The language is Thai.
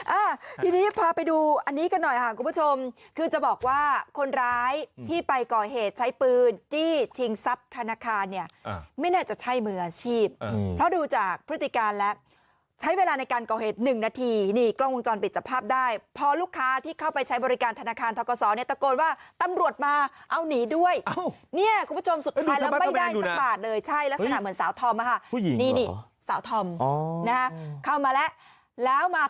อ่าทีนี้พาไปดูอันนี้กันหน่อยคุณผู้ชมคือจะบอกว่าคนร้ายที่ไปก่อเหตุใช้ปืนที่ชิงทรัพย์ธนาคารเนี่ยไม่แน่จะใช้มืออาชีพเพราะดูจากพฤติการแล้วใช้เวลาในการก่อเหตุหนึ่งนาทีนี่กล้องวงจรปิดจับภาพได้พอลูกค้าที่เข้าไปใช้บริการธนาคารธนาคารธนาคารธนาคารธนาคารธนาคารธนาคารธน